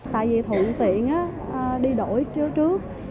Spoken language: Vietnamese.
tại vì thủ tiện đi đổi trước trước